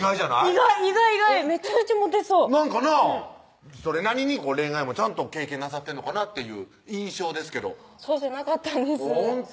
意外意外意外めちゃくちゃモテそうそれなりに恋愛もちゃんと経験なさってんのかなっていう印象ですけどそうじゃなかったんです